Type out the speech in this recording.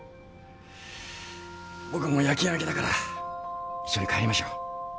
僕も夜勤明けだから一緒に帰りましょう。